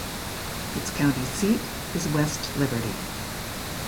Its county seat is West Liberty.